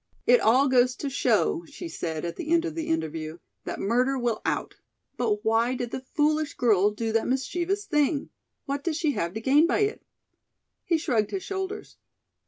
"It all goes to show," she said at the end of the interview, "that murder will out. But why did the foolish girl do that mischievous thing? What did she have to gain by it?" He shrugged his shoulders.